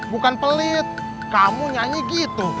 bukan pelit kamu nyanyi gitu